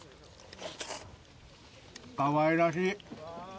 かわいらしい。